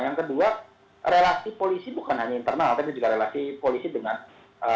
yang kedua relasi polisi bukan hanya internal tapi juga relasi polisi dengan polisi